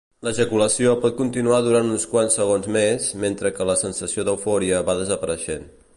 L'ejaculació pot continuar durant uns quants segons més, mentre que la sensació d'eufòria va desapareixent.